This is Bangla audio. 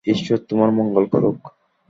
ঈশ্বর তোমার মঙ্গল করুক।